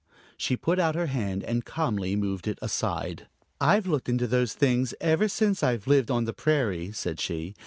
She put out her hand and calmly moved it aside. "I've looked into those things ever since I've lived on the prairie," said she.